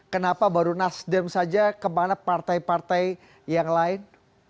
kenapa baru nasdem saja kemana partai partai yang lain